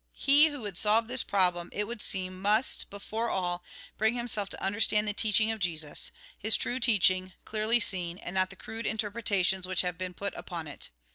He wdio would solve this problem, it would seem, must, before all, bring himself to understand the teachuig of Jesus ; his true teaching, clearly seen, and not the crude interpretations which have been put upon it.